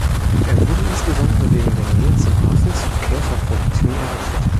Er wurde insbesondere wegen der Nähe zum Hafen zur Käfer-Produktion errichtet.